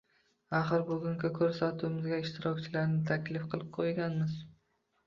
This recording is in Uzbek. Axir bugungi ko’rsatuvimizga ishtirokchilarni taklif qilib qo’yganmiz.